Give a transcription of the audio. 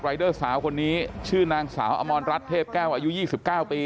รายเดอร์สาวคนนี้ชื่อนางสาวอมรรดรัฐเทพแก้วอายุยี่สิบเก้าปี